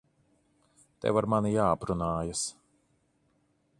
Tev ar mani jāaprunājas.